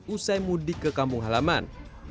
usai mudik ke kampung halaman